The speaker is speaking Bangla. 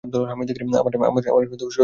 আমার সর্দির সাথে রক্ত পরে।